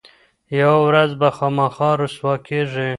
یوه ورځ به خامخا رسوا کیږي.